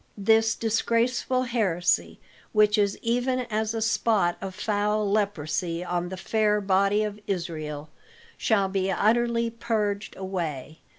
This disgraceful heresy, which is even as a spot of foul leprosy on the fair body of Israel, shall be utterly purged away.